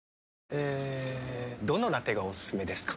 えどのラテがおすすめですか？